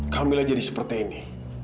kamila jadi seperti ini